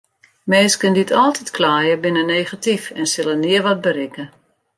Minsken dy't altyd kleie binne negatyf en sille nea wat berikke.